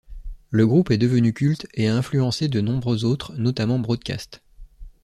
Le groupe est devenu culte et a influencé de nombreux autres, notamment Broadcast.